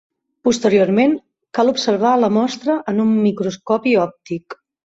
Posteriorment cal observar la mostra en un microscopi òptic.